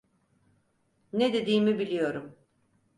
Ne dediğimi biliyorum.